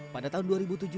jangan lupa lembah harau